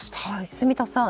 住田さん